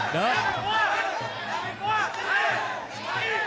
เดิม